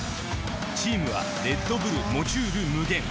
チームはレッドブルモチュール無限。